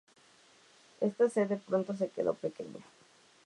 Esta sede pronto se quedó pequeña.